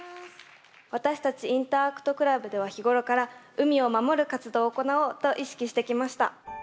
私たちインターアクトクラブでは日頃から海を守る活動を行おうと意識してきました。